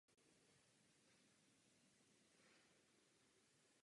Je řazen mezi nejvýznamnější moderní řecké a evropské spisovatele.